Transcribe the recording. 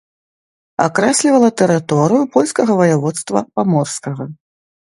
Акрэслівала тэрыторыю польскага ваяводства паморскага.